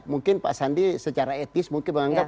mungkin pak sandi secara etis mungkin menganggap